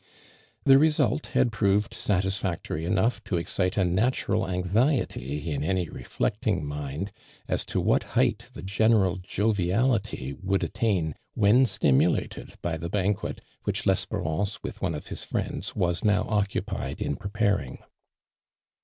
The result had proved satisfactory enough to excite a natural anxiety in any reflecting mind as to what height the general joviality would attain when 8thn»Uate<l by the banquet which IvOMperance, with ono of his friend*, was now occupied in ))reparing.